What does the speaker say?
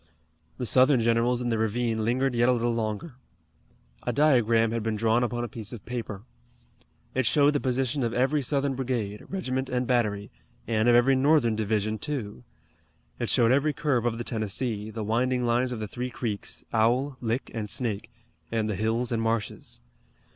The Southern generals in the ravine lingered yet a little longer. A diagram had been drawn upon a piece of paper. It showed the position of every Southern brigade, regiment, and battery, and of every Northern division, too. It showed every curve of the Tennessee, the winding lines of the three creeks, Owl, Lick, and Snake, and the hills and marshes.